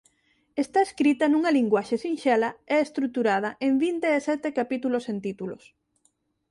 Está escrita nunha linguaxe sinxela e estruturada en vinte e sete capítulos sen títulos.